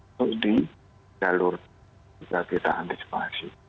untuk di jalur juga kita antisipasi